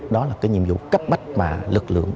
đó là cái nhiệm vụ cấp bách mà lực lượng